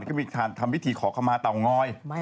ก็มีทางทำวิธีขอขมาเต๋อง้อย